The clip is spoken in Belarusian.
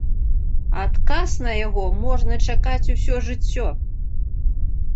Адказ на яго можна чакаць усё жыццё.